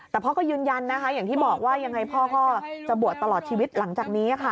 แต่พ่อก็ยืนยันอย่างที่บอกว่าตอนนี้พ่อก็เวลาจะบวชชีวิตหลังจากนี้ค่ะ